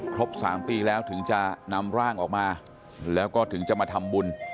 ครบ๓ปีแล้วถึงจะนำร่างออกมาแล้วก็ถึงจะมาทำบุญ